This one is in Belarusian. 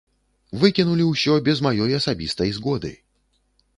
Выкінулі ўсё без маёй асабістай згоды.